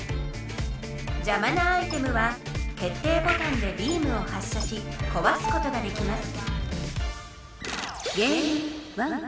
じゃまなアイテムは決定ボタンでビームを発射しこわすことができます